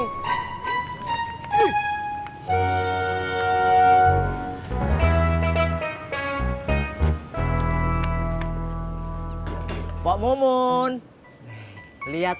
gimana pergi pesaing either